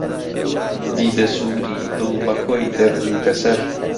دیدە سووری، دڵ مەکۆی دەرد و کەسەر